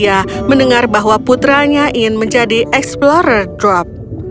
ia mendengar bahwa putranya ingin menjadi explorer drop